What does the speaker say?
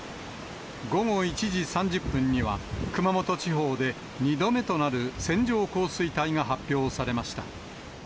午後１時３０分には、熊本地方で２度目となる線状降水帯が発表されました。